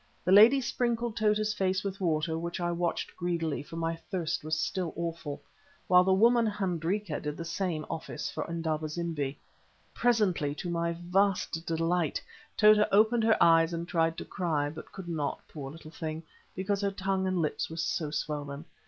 The lady sprinkled Tota's face with the water, which I watched greedily, for my thirst was still awful, while the woman Hendrika did the same office for Indaba zimbi. Presently, to my vast delight, Tota opened her eyes and tried to cry, but could not, poor little thing, because her tongue and lips were so swollen.